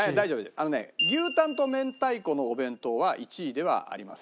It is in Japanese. あのね牛たんと明太子のお弁当は１位ではありません。